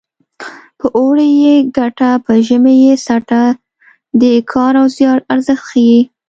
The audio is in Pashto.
په اوړي یې ګټه په ژمي یې څټه د کار او زیار ارزښت ښيي